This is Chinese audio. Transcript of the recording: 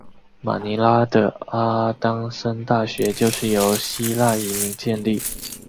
马尼拉的阿当森大学就是由希腊移民建立。